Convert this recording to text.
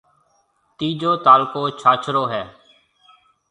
تيجو تعلقو ڇاڇرو ھيََََ